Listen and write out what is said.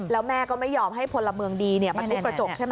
แล้วแม่ก็ไม่ยอมให้พลเมืองดีมาทุบกระจกใช่ไหม